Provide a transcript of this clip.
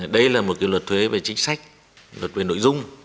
đây là một luật thuế về chính sách luật về nội dung